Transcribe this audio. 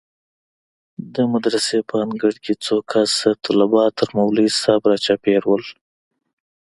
د مدرسې په انګړ کښې څو کسه طلبا تر مولوي صاحب راچاپېر وو.